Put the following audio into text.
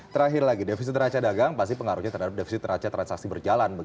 terakhir lagi defisi teraca dagang pasti pengaruhnya terhadap defisi teraca transaksi berjalan